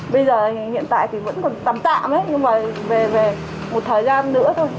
bây giờ hiện tại thì vẫn còn tầm tạm đấy nhưng mà về một thời gian nữa thôi